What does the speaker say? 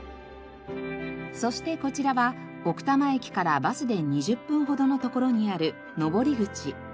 そしてこちらは奥多摩駅からバスで２０分ほどの所にある登り口。